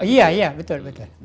iya betul betul